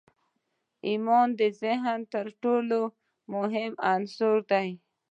ایمان د ذهن تر ټولو مهم عنصر دی